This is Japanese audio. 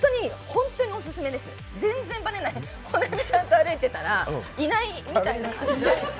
本並さんと歩いてたらいないみないな感じで。